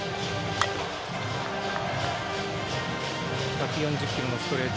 １４０キロのストレート。